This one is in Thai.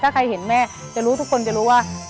ถ้าใครเห็นแม่จะรู้ทุกคนจะรู้ว่า